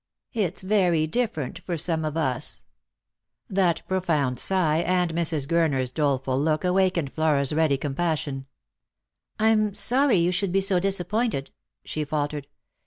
It's very different for some of us." That profound sigh and Mrs. Gurner's doleful look awakened Flora's ready compassion. Lost for Love. 209 " I'm sorry you should be disappointed." she faltered.